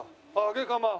揚げかま。